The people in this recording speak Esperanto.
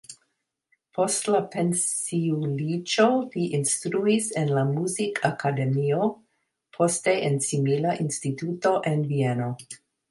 Post la pensiuliĝo li instruis en la Muzikakademio, poste en simila instituto en Vieno.